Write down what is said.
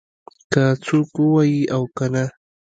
که څوک ووایي او کنه